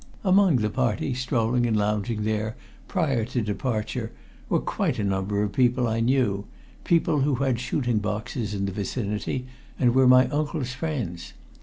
Among the party strolling and lounging there prior to departure were quite a number of people I knew, people who had shooting boxes in the vicinity and were my uncle's friends.